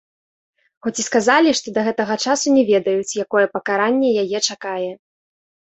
Хоць і сказалі, што да гэтага часу не ведаюць, якое пакаранне яе чакае.